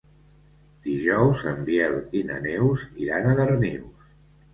Dijous en Biel i na Neus iran a Darnius.